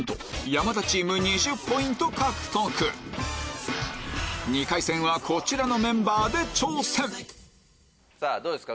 山田チーム２０ポイント獲得２回戦はこちらのメンバーで挑戦どうですか？